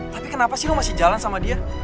tapi kenapa sih lo masih jalan sama dia